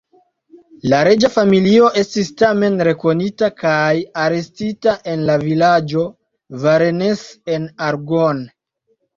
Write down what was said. La reĝa familio estis tamen rekonita kaj arestita en la vilaĝo Varennes-en-Argonne.